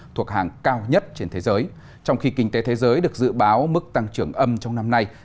thuộc hàng cao nhất trên thế giới trong khi kinh tế thế giới được dự báo mức tăng trưởng âm trong năm nay